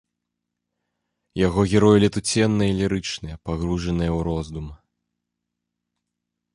Яго героі летуценныя і лірычныя, пагружаныя ў роздум.